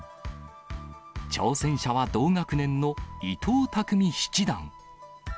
挑戦者は同学年の伊藤匠七段。